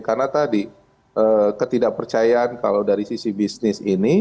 karena tadi ketidakpercayaan kalau dari sisi bisnis ini